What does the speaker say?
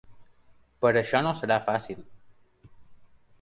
Per això no serà fàcil.